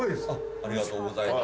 ありがとうございます。